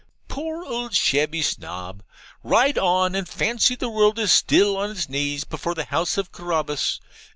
Poor old shabby Snob! Ride on and fancy the world is still on its knees before the house of Carabas!